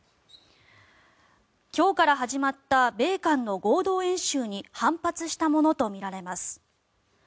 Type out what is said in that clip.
今日から始まった米韓の合同演習に反発したものとみられます。